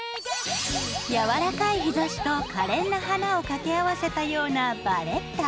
やわらかい日ざしと可憐な花を掛け合わせたようなバレッタ。